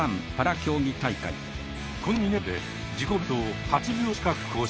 この２年間で自己ベストを８秒近く更新。